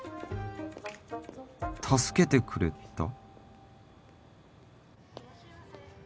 助けてくれた？